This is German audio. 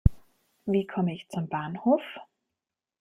Wie komme ich zum Bahnhof?